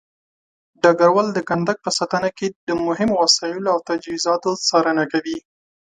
ډګروال د کندک په ساتنه کې د مهمو وسایلو او تجهيزاتو څارنه کوي.